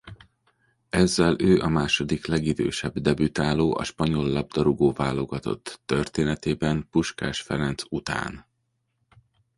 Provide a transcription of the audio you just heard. Ezzel ő a második legidősebb debütáló a spanyol labdarúgó-válogatott történetében Puskás Ferenc után.